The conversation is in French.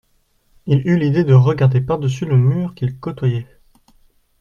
Il eut l'idée de regarder par-dessus le mur qu'il côtoyait.